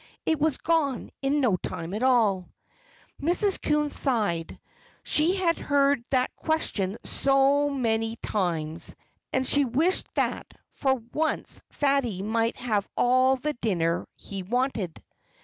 It was gone in no time at all. Mrs. Coon sighed. She had heard that question so many times; and she wished that for once Fatty might have all the dinner he wanted.